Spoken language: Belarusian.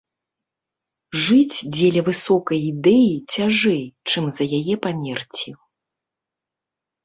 Жыць дзеля высокай ідэі цяжэй, чым за яе памерці.